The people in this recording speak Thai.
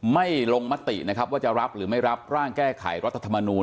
ไม่ลงมตินะครับว่าจะรับหรือไม่รับร่างแก้ไขรัฐธรรมนูล